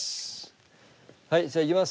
はいじゃあいきます。